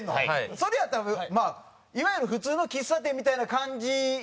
それやったらまあいわゆる普通の喫茶店みたいな感じでもあるわけや？